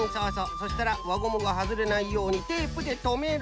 そしたらわゴムがはずれないようにテープでとめる。